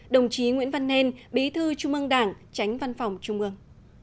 đồng chí nguyễn văn nên bí thư trung ương đảng tránh văn phòng trung ương